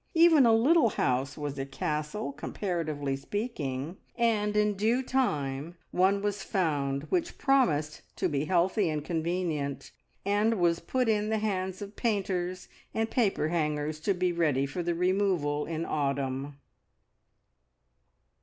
Even a little house was a castle, comparatively speaking; and in due time one was found which promised to be healthy and convenient, and was put in the hands of painters and paper hangers to be ready for the removal in autumn.